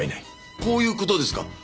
こういう事ですか？